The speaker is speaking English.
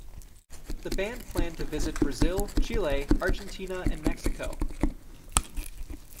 The band planned to visit Brazil, Chile, Argentina and Mexico.